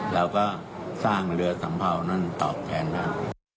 เราก็สร้างเรือสัมเภานั้นต่อแผ่นท่าน